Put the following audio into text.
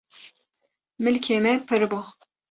milkê me pirbû